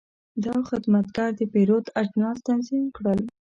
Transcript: دا خدمتګر د پیرود اجناس تنظیم کړل.